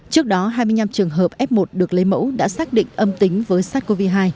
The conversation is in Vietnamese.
trước đó hai mươi năm trường hợp f một được lấy mẫu đã xác định âm tính với sars cov hai